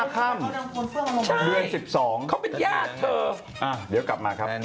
๑๕ค่ำเหลือน๑๒ค่ะอ้าวเดี๋ยวกลับมาครับ